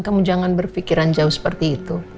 kamu jangan berpikiran jauh seperti itu